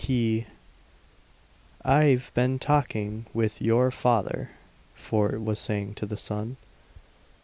He " "I've been talking with your father," Fort was saying to the son.